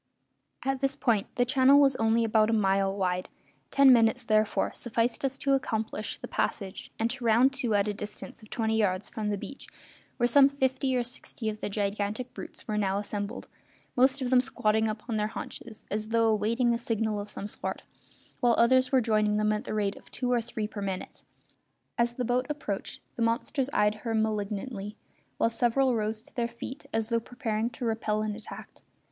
At this point the channel was only about a mile wide; ten minutes, therefore, sufficed us to accomplish the passage and to round to at a distance of twenty yards from the beach, where some fifty or sixty of the gigantic brutes were now assembled, most of them squatting upon their haunches, as though awaiting a signal of some sort, while others were joining them at the rate of two or three per minute. As the boat approached, the monsters eyed her malignantly, while several rose to their feet as though preparing to repel an attack.